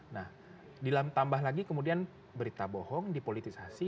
nah ditambah lagi kemudian berita bohong dipolitisasi